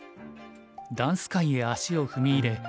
ダンス界へ足を踏み入れ